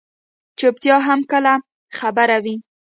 چُپتیا هم کله خبره وي.